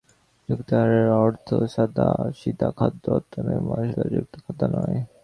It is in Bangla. যুক্তাহারের অর্থ সাদাসিধা খাদ্য, অত্যধিক মশলাযুক্ত খাদ্য নয়।